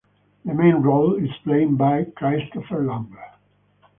The main role is played by Christopher Lambert.